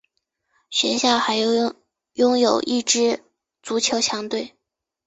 学校还拥有一支足球强队。